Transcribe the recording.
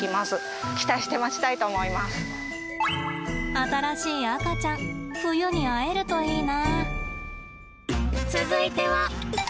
新しい赤ちゃん冬に会えるといいな。